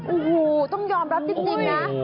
โอ้โหต้องยอมรับจริงนะ